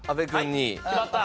決まった？